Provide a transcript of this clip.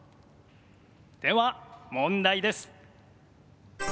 では問題です。